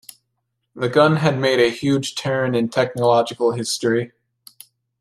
The gun had made a huge turn in technological history.